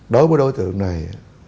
đối với đối tượng này